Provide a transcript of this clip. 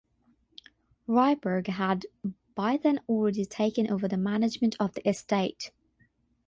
Ryberg had by then already taken over the management of the estate.